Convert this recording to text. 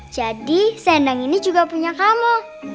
jadi sendang ini juga punya kamu